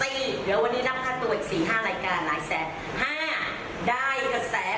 เดี๋ยววันนี้นับท่าตัวอีก๔๕รายการหลายแสน๕ได้กับแสน